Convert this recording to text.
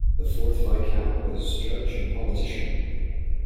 The fourth Viscount was judge and politician.